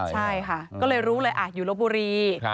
ใช่ค่ะก็เลยรู้เลยอยู่ลบบุรี